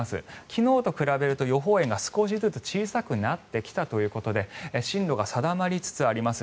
昨日と比べると予報円が少しずつ小さくなってきたということで進路が定まりつつあります。